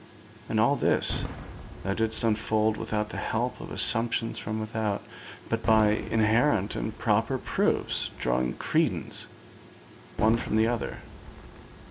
And all this thou didst unfold without the help of assumptions from without, but by inherent and proper proofs, drawing credence one from the other.'